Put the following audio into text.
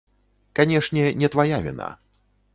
Канешне, не твая віна.